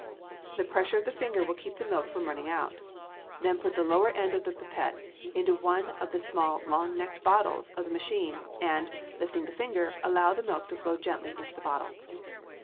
The pressure of the finger will keep the milk from running out. Then put the lower end of the pipette into one of the small long necked bottles of the machine, and, lifting the finger, allow the milk to flow gently into the bottle.